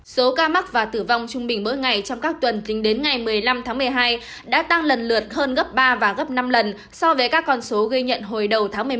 số ca mắc và tử vong trung bình mỗi ngày trong các tuần tính đến ngày một mươi năm tháng một mươi hai đã tăng lần lượt hơn gấp ba và gấp năm lần so với các con số gây nhận hồi đầu tháng một mươi một